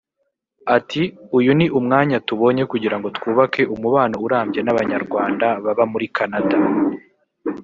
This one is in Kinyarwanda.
Ati ”Uyu ni umwanya tubonye kugira ngo twubake umubano urambye n’Abanyarwanda baba muri Canada